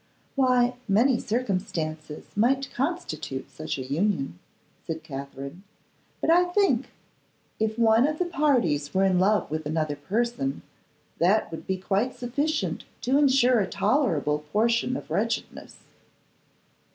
'Why, many circumstances might constitute such an union,' said Katherine; 'but I think if one of the parties were in love with another person, that would be quite sufficient to ensure a tolerable portion of wretchedness.